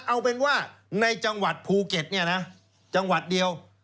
เอาเป็นว่าในจังหวัดภูเก็ตเนี่ยนะจังหวัดเดียว